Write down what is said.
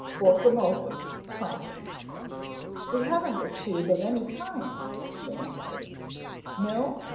Fork 'em over pronto." "We haven't a tube of any kind," Jim answered. "No?